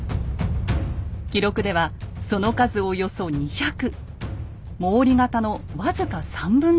記録ではその数およそ２００。